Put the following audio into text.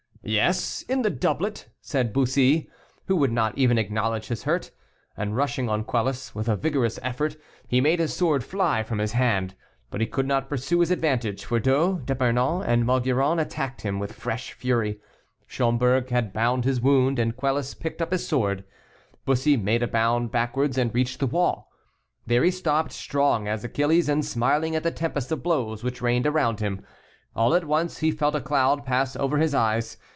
"Yes, in the doublet," said Bussy, who would not even acknowledge his hurt. And rushing on Quelus, with a vigorous effort, he made his sword fly from his hand. But he could not pursue his advantage, for D'O, D'Epernon, and Maugiron attacked him, with fresh fury. Schomberg had bound his wound, and Quelus picked up his sword. Bussy made a bound backwards, and reached the wall. There he stopped, strong as Achilles, and smiling at the tempest of blows which rained around him. All at once he felt a cloud pass over his eyes.